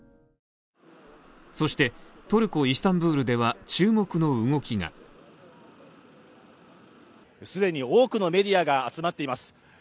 そして、トルコ・イスタンブールでは注目の動きが既に多くのメディアが集まっています。